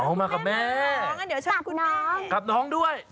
กับแม่อ๋อมากับแม่กับน้องด้วย